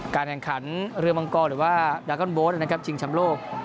แข่งขันเรือมังกรหรือว่าดากอนโบสต์นะครับชิงชำโลก